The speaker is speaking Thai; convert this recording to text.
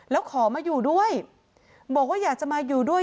แล้วขอมาอยู่ด้วยบอกว่าอยากจะมาอยู่ด้วย